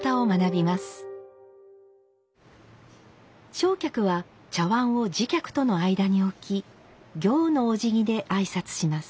正客は茶碗を次客との間に置き「行」のおじぎで挨拶します。